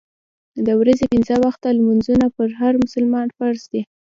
د ورځې پنځه وخته لمونځونه پر هر مسلمان فرض دي.